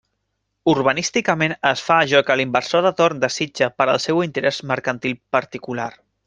Urbanísticament es fa allò que l'inversor de torn desitja per al seu interés mercantil particular.